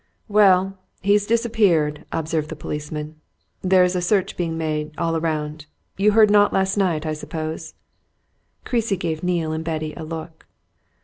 "Well he's disappeared," observed the policeman. "There's a search being made, all round. You heard naught last night, I suppose?" Creasy gave Neale and Betty a look.